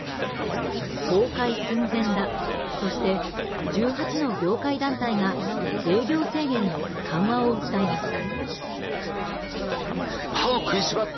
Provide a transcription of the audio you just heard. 崩壊寸前だとして１８の業界団体が営業制限の緩和を訴えました。